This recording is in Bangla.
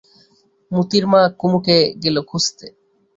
মোতির মা কুমুকে গেল খুঁজতে।